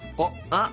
あっ！